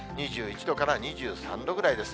２１度から２３度ぐらいです。